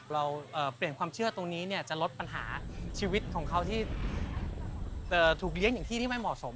เราเปลี่ยนความเชื่อตรงนี้จะลดปัญหาชีวิตของเขาที่ถูกเลี้ยงอย่างที่ที่ไม่เหมาะสม